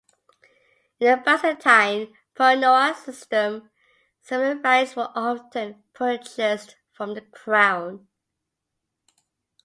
In the Byzantine "pronoia" system, similar rights were often purchased from the crown.